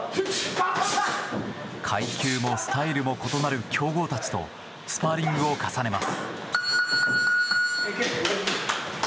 階級もスタイルも異なる強豪たちとスパーリングを重ねます。